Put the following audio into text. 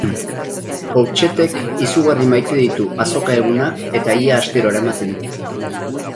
Poupchettek izugarri maite ditu azoka egunak eta ia astero eramaten dut.